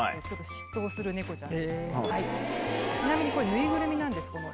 嫉妬をする猫ちゃん。